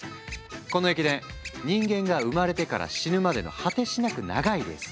この駅伝人間が生まれてから死ぬまでの果てしなく長いレース。